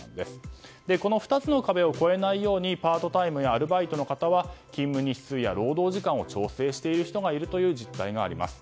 この２つの壁を超えないようにパートタイムやアルバイトの方は勤務日数や労働時間を調整している人がいるという実態があります。